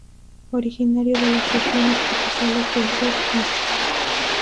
Originario de las regiones tropicales del sur Asia.